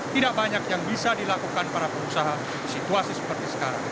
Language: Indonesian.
tidak banyak yang bisa dilakukan para pengusaha di situasi seperti sekarang